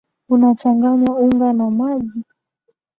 Unachanganya unga na maji